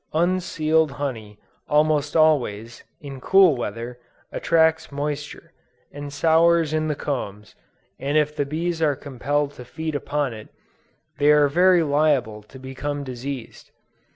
Unsealed honey, almost always, in cool weather, attracts moisture, and sours in the combs, and if the bees are compelled to feed upon it, they are very liable to become diseased.